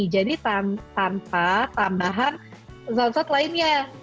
jadi tanpa tambahan sosot lainnya